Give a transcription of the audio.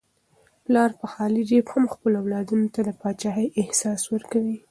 پلار په خالي جیب هم خپلو اولادونو ته د پاچاهۍ احساس ورکوي.